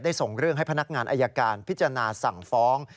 ส่งเรื่องให้พนักงานอายการพิจารณาสั่งฟ้อง